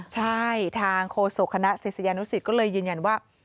ใช่ทางโฆษกคณะศิษยานุสิตก็เลยยืนยันว่า